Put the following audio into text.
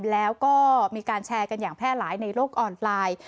แล้วก็มีการแชร์กันอย่างแพร่หลายในโลกออนไลน์